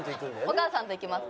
お母さんと行きます。